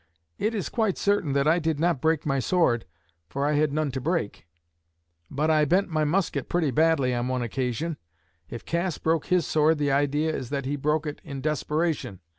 It is quite certain that I did not break my sword, for I had none to break. But I bent my musket pretty badly on one occasion. If Cass broke his sword the idea is that he broke it in desperation.